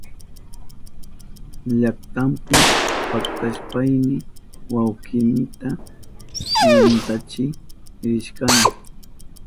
Llaktanpi paktashpayni wawkiynita kwintachik rishkani.